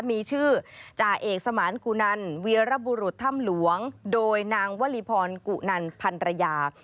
มีชื่อจ่าเอกสมานกุนันเวียระบุรุษถ้ำหลวงโดยนางวลีพรกุนันพันรยา